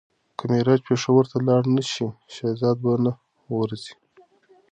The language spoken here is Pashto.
که مهاراجا پېښور ته لاړ نه شي شهزاده به نه ورځي.